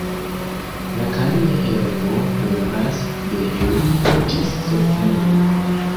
La kalia herbo floras de julio ĝis septembro.